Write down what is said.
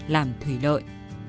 làm thủy lợi